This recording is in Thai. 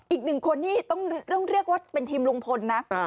อีก๑คนต้องเรียกว่าเป็นทีมรุงพลนะ